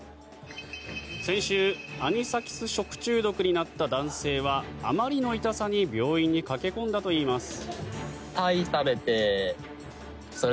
先週、アニサキス食中毒になった男性はあまりの痛さに病院に駆け込んだといいます。